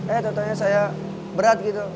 eh contohnya saya berat gitu